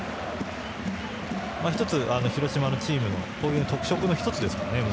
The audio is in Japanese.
１つ、広島のチームの特色の１つですからね。